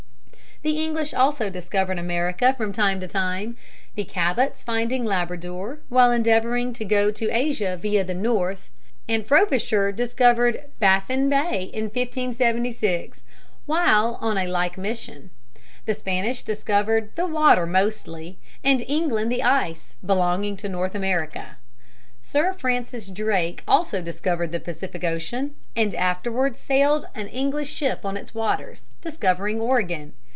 The English also discovered America from time to time, the Cabots finding Labrador while endeavoring to go to Asia via the North, and Frobisher discovered Baffin Bay in 1576 while on a like mission. The Spanish discovered the water mostly, and England the ice belonging to North America. Sir Francis Drake also discovered the Pacific Ocean, and afterward sailed an English ship on its waters, discovering Oregon.